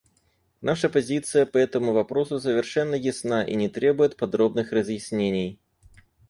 Наша позиция по этому вопросу совершенно ясна и не требует подробных разъяснений.